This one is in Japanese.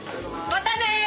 またね。